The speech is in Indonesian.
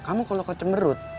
kamu kalau kau cemberut